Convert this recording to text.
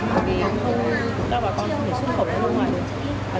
thì không bao bà con có thể xuất khẩu ra nước ngoài được